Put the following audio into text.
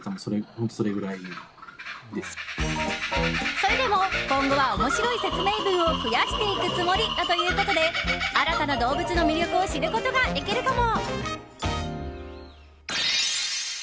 それでも今後は面白い説明文を増やしていくつもりだということで新たな動物の魅力を知ることができるかも。